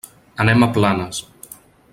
Anem a Planes.